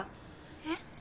えっ？